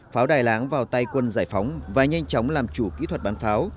pháo đài láng vào tay quân giải phóng và nhanh chóng làm chủ kỹ thuật bán pháo